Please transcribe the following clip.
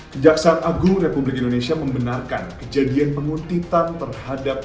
kejaksaan agung republik indonesia membenarkan kejadian penguntitan terhadap